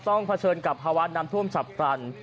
ต้องเผชิญกับภาวะนำท่วมจับตัน